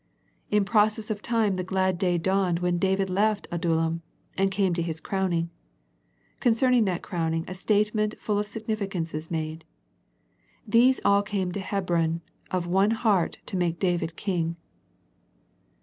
In process of time the glad day dawned when David left Adullam, and came to his crowning. Concerning that crowning a state ment full of significance is made, " These all came to Hebron of one heart to make David king."